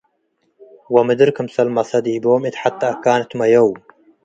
ወምድር ክምሰል መሰ ዲቦም እት ሐቴ' አካን ትመየው።